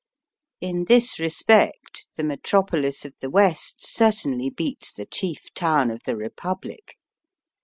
In this respect the metropolis of the West certainly beats the chief town of the Eepublic.